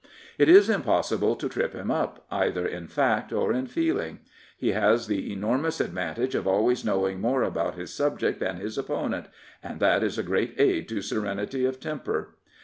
It is impossible to trip him up, either in fact or in feeling. He has the enormous advantage of always knowing more about his subject than his opponent, and that is a great aid to serenity of temper.